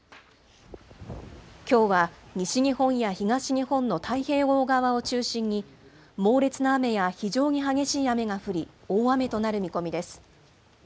きょうは西日本や東日本の太平洋側を中心に、猛烈な雨や非常に激しい雨が降り、大雨となる見込みです。